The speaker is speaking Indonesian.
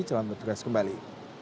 selamat berjumpa lagi